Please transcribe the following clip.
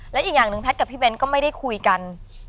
และอีกอย่างหนึ่งแพทย์กับพี่เบ้นก็ไม่ได้คุยกัน